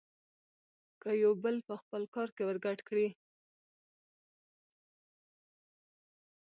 که يو بل په خپل کار کې ورګډ کړي.